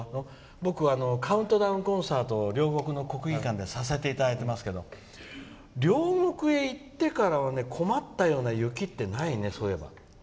僕はカウントダウンコンサートを両国の国技館でさせていただいていますが両国へ行ってから、そういえば困ったような雪ってないね。